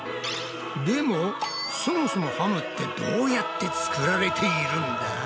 でもそもそもハムってどうやって作られているんだ？